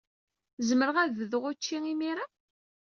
Zemreɣ ad bduɣ ucci imir-a?